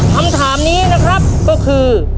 คำถามนี้นะครับก็คือ